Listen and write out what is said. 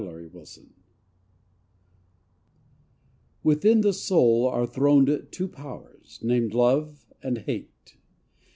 CONSCIENCE Within the soul are throned two powers, Named Love and Hate.